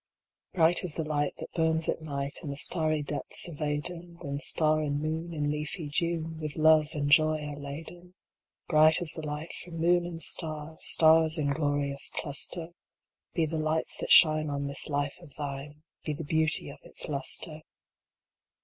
"D RIGHT as the light that burns at night, In the starry depths of Aiden, When star and moon in leafy June With love and joy are laden ; Bright as the light from moon and star, Stars in glorious cluster, Be the lights that shine on this life of thine, Be the beauty of its lustre.